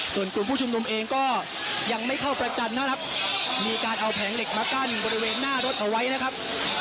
ส่วนกลุ่มผู้ชุมนุมเองก็ยังไม่เข้าประจันทร์นะครับมีการเอาแผงเหล็กมากั้นบริเวณหน้ารถเอาไว้นะครับ